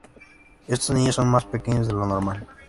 Estos niños son más pequeños de lo normal.